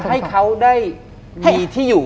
เพื่อให้เขาได้มีที่อยู่